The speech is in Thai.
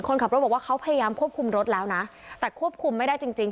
คนขับรถบอกว่าเขาพยายามควบคุมรถแล้วนะแต่ควบคุมไม่ได้จริงจริง